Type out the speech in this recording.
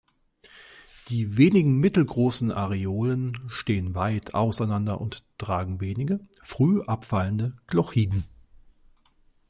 Die wenigen, mittelgroßen Areolen stehen weit auseinander und tragen wenige, früh abfallende Glochiden.